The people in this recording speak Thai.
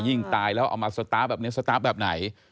ตายแล้วเอามาสตาร์ฟแบบนี้สตาร์ฟแบบไหน